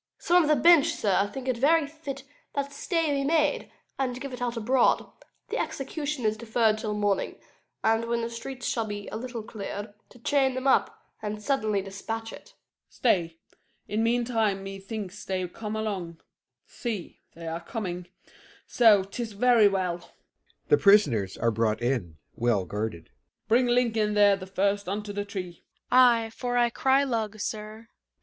Some of the bench, sir, think it very fit That stay be made, and give it out abroad The execution is deferred till morning, And, when the streets shall be a little cleared, To chain them up, and suddenly dispatch it. SHERIFF. Stay; in mean time me thinks they come along: See, they are coming. So, tis very well: [The prisoners are brought in, well guarded.] Bring Lincoln there the first unto the tree. CLOWN. I, for I cry lug, sir. LINCOLN.